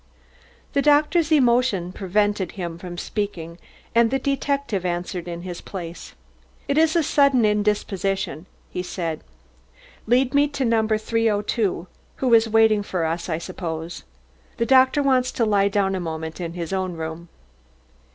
The doctor's emotion prevented him from speaking, and the detective answered in his place. "It is a sudden indisposition," he said. "Lead me to No. 302, who is waiting for us, I suppose. The doctor wants to lie down a moment in his own room."